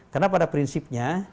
karena pada prinsipnya